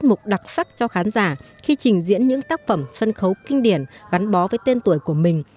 mục đặc sắc cho khán giả khi trình diễn những tác phẩm sân khấu kinh điển gắn bó với tên tuổi của mình